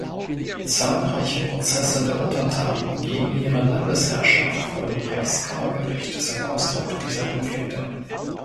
Zahlreiche Prozesse der Untertanen gegen ihre Landesherrschaft vor dem Reichskammergericht sind Ausdruck dieser Konflikte.